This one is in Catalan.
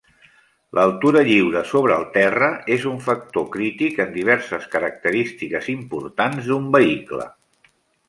L'altura lliure sobre el terra és un factor crític en diverses característiques importants d'un vehicle.